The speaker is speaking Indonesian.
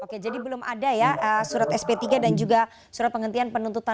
oke jadi belum ada ya surat sp tiga dan juga surat penghentian penuntutan